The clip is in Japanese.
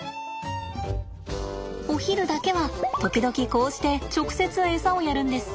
お昼だけは時々こうして直接エサをやるんです。